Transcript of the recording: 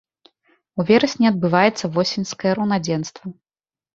У верасні адбываецца восеньскае раўнадзенства.